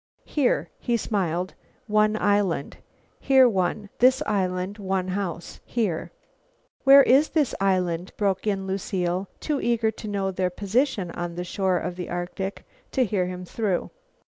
"Here," he smiled, "one island. Here one. This island one house. Here " "Where is this island?" broke in Lucile, too eager to know their position on the shore of the Arctic to hear him through.